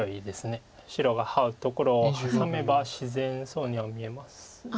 白がハウところをハサめば自然そうには見えます。